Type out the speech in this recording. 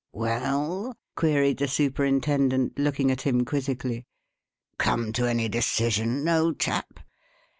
"Well?" queried the superintendent, looking up at him quizzically. "Come to any decision, old chap?"